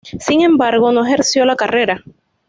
Sin embargo, no ejerció la carrera.